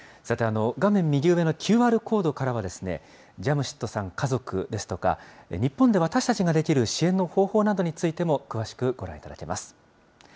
さて、画面右上のＱＲコードからは、ジャムシッドさん家族ですとか、日本で私たちができる支援の方法などについても詳しくご覧いただけます。